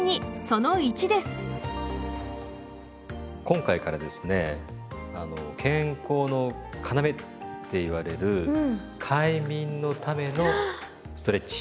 今回からですね「健康のかなめ」って言われる快眠のためのストレッチ。